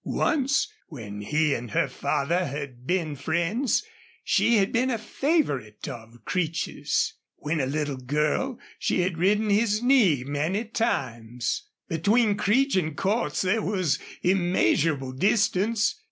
Once, when he and her father had been friends, she had been a favorite of Creech's. When a little girl she had ridden his knee many times. Between Creech and Cordts there was immeasurable distance.